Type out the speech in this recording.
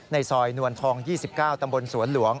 ในซอยนวลทอง๒๙ตำบลสวนหลวง